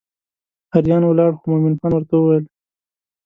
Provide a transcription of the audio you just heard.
اریان ولاړ خو مومن خان ورته وویل.